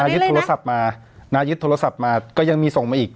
ยึดโทรศัพท์มายึดโทรศัพท์มาก็ยังมีส่งมาอีก